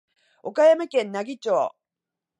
岡山県奈義町